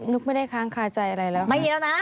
ุ๊กไม่ได้ค้างคาใจอะไรแล้วไม่มีแล้วนะ